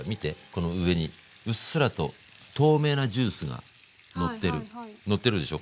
この上にうっすらと透明なジュースがのってるのってるでしょ